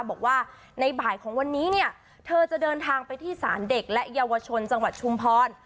บอกว่าในบ่ายของวันนี้เนี่ยเธอจะเดินทางไปที่ศาลเด็กและเยาวชนจังหวัดชุมพร